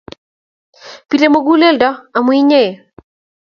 Pirei muguleldonyu amu inye